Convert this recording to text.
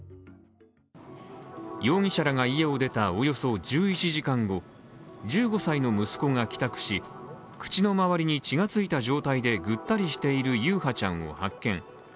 容疑者らが家を出たおよそ１１時間後、１５歳の息子が帰宅し口の周りに血がついた状態でぐったりしている優陽ちゃんを発見。